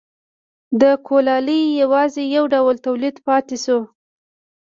د کولالۍ یوازې یو ډول تولید پاتې شو.